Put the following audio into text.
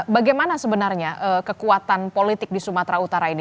bagaimana sebenarnya kekuatan politik di sumatera utara ini